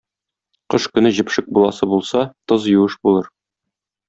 Кыш көне җепшек буласы булса, тоз юеш булыр.